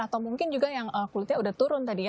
atau mungkin juga yang kulitnya udah turun tadi ya